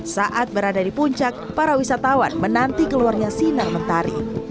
saat berada di puncak para wisatawan menanti keluarnya sinar mentari